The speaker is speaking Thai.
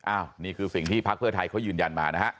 นี่คือสิ่งที่พักเพื่อไทยเขายืนยันมานะฮะ